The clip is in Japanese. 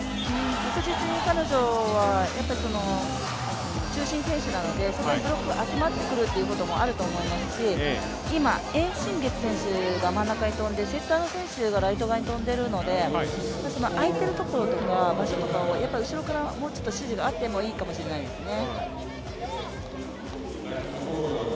確実に彼女は中心選手なのでブロックが集まってくるというのもあると思いますし今、エン・シンゲツ選手が真ん中に跳んで、セッターの選手がライト側に飛んでいるので、空いているところとか場所とか、後ろからもうちょっと指示があってもいいかもしれないですね。